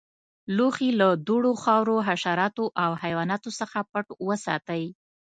لوښي له دوړو، خاورو، حشراتو او حیواناتو څخه پټ وساتئ.